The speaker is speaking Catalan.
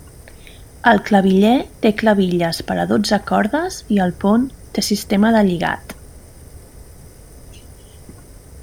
El claviller té clavilles per a dotze cordes i el pont té sistema de lligat.